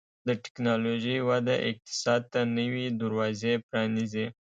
د ټکنالوژۍ وده اقتصاد ته نوي دروازې پرانیزي.